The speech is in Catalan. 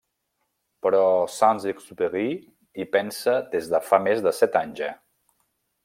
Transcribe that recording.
Però Saint-Exupéry hi pensa des de fa més de set anys ja.